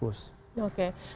transaksi berjalannya surplus